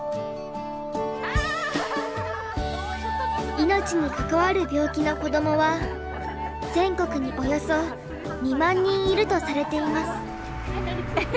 命にかかわる病気の子どもは全国におよそ２万人いるとされています。